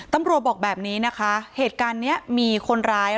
ทำร่วมบอกแบบนี้เหตุการณ์นี้มีคนร้าย